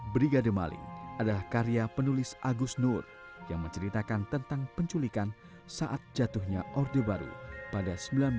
brigade maling adalah karya penulis agus nur yang menceritakan tentang penculikan saat jatuhnya orde baru pada seribu sembilan ratus sembilan puluh